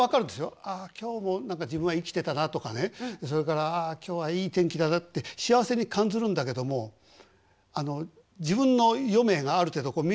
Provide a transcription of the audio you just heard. あ今日も自分は生きてたなとかねそれからあ今日はいい天気だなって幸せに感ずるんだけども自分の余命がある程度見えてくるとね